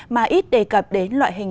mà ít đề cập đến loại hình